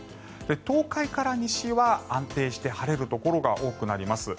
東海から西は安定して晴れるところが多くなります。